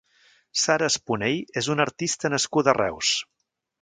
Sara Esponey és una artista nascuda a Reus.